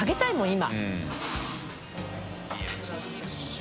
今。